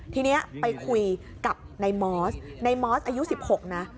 ทีนี้ไปคุยกับในมอสในมอสอายุสิบหกนะ